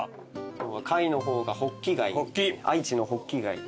貝の方がホッキ貝愛知のホッキ貝です。